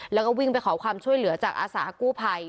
แล้วก็วิ่งไปขอความช่วยเหลือจากอาสากู้ภัย